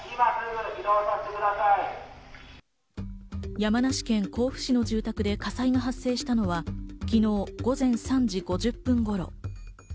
山梨県甲府市の住宅で火災が発生したのは昨日午前３時５０分頃。